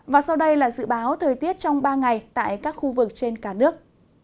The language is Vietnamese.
và sau đây là dự báo thời tiết trong ba ngày tại các khu vực trên cả nước